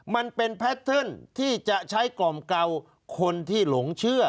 มันเป็นแพทเทิร์นที่จะใช้กล่อมเกลาคนที่หลงเชื่อ